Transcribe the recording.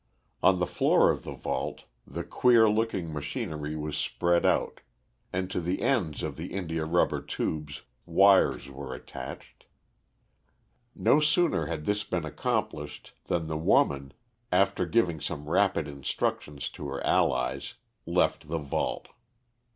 On the floor of the vault the queer looking machinery was spread out, and to the ends of the india rubber tubes wires were attached. No sooner had this been accomplished than the woman, after giving some rapid instructions to her allies, left the vault.